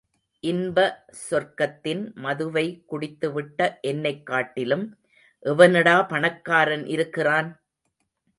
இன்ப சொர்க்கத்தின் மதுவை குடித்துவிட்ட என்னைக் காட்டிலும் எவனடா பணக்காரன் இருக்கிறான்?